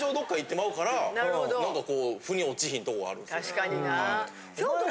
確かにな。